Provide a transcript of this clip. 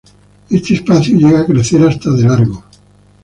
Esta especie llega a crecer hasta de largo.